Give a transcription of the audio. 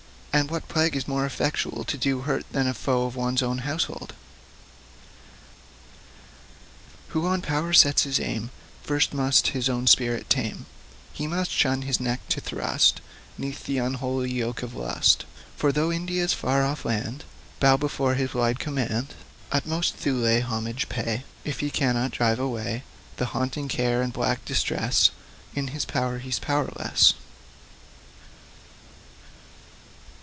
And what plague is more effectual to do hurt than a foe of one's own household?' FOOTNOTES: [G] The sword of Damocles. SONG V. SELF MASTERY. Who on power sets his aim, First must his own spirit tame; He must shun his neck to thrust 'Neath th' unholy yoke of lust. For, though India's far off land Bow before his wide command, Utmost Thule homage pay If he cannot drive away Haunting care and black distress, In his power, he's powerless.